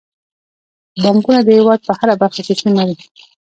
بانکونه د هیواد په هره برخه کې شتون لري.